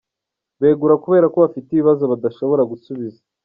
Begura kubera ko bafite ibibazo badashobora gusubiza.